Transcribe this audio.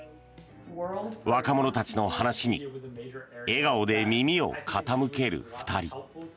若者たちの話に笑顔で耳を傾ける２人。